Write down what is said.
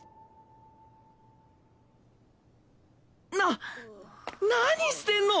な何してんの！？